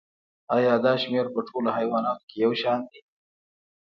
ایا دا شمیر په ټولو حیواناتو کې یو شان دی